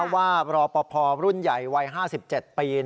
รอปภรุ่นใหญ่วัย๕๗ปี